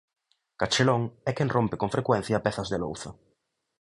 Cachelón é quen rompe con frecuencia pezas de louza.